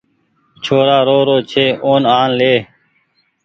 ڇورآن رو رو ڇي اون آن لي